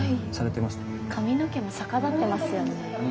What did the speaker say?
髪の毛も逆立ってますよね。